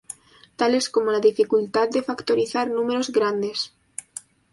tales como la dificultad de factorizar números grandes